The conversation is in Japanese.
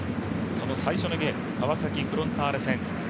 その最初のゲーム、川崎フロンターレ戦。